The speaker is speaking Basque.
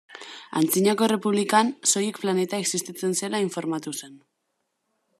Antzinako Errepublikan, soilik planeta existitzen zela informatu zen.